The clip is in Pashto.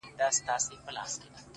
له ده بې زړه نه و!! ژونده کمال دي وکړ!!